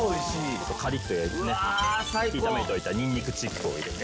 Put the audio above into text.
ちょっとカリッと焼いてね炒めておいたニンニクチップを入れて。